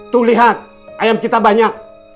tuh lihat ayam kita banyak